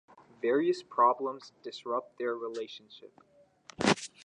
Various problems disrupt their relationship